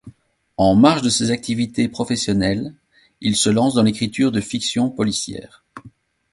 En marge de ses activités professionnelles, il se lance dans l'écriture de fictions policières.